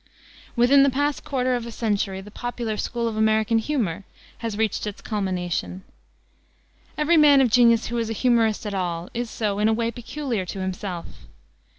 Within the past quarter of a century the popular school of American humor has reached its culmination. Every man of genius who is a humorist at all is so in a way peculiar to himself.